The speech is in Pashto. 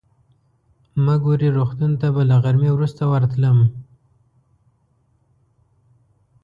مګوري روغتون ته به له غرمې وروسته ورتلم.